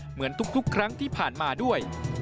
เหมือนทุกครั้งที่ผ่านมาด้วย